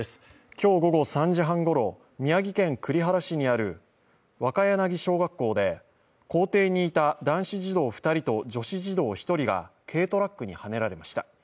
今日午後３時半ごろ宮城県栗原市にある若柳小学校で校庭にいた男子児童２人と女子児童１人が軽トラックにはねられました。